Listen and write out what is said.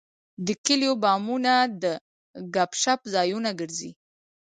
د کلیو بامونه د ګپ شپ ځایونه ګرځي.